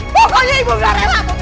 pokoknya ibu gak rela putri